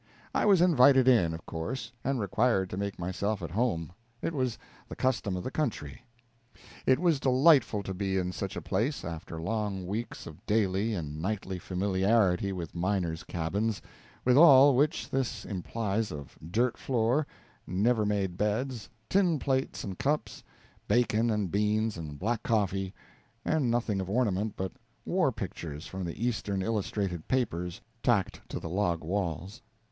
I was invited in, of course, and required to make myself at home it was the custom of the country. It was delightful to be in such a place, after long weeks of daily and nightly familiarity with miners' cabins with all which this implies of dirt floor, never made beds, tin plates and cups, bacon and beans and black coffee, and nothing of ornament but war pictures from the Eastern illustrated papers tacked to the log walls.